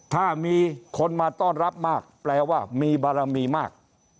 ถ้ามีคนมาต้อนรับมากแปลว่ามีบารมีมาก